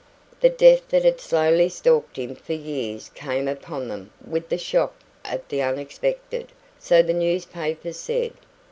The death that had slowly stalked him for years came upon them with the shock of the unexpected; so the newspapers said.